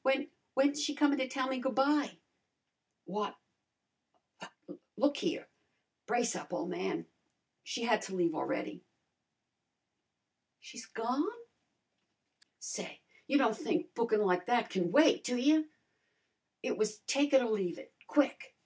When when's she comin' to tell me goo' by?" "Why why look a here. Brace up, ole man. She had to leave a'ready." "She's gone?" "Say, you don' think bookin' like that can wait, do you? It was take it or leave it quick.